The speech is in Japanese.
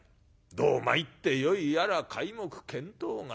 どう参ってよいやら皆目見当がつき申さぬ。